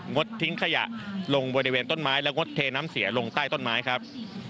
ดทิ้งขยะลงบริเวณต้นไม้และงดเทน้ำเสียลงใต้ต้นไม้ครับ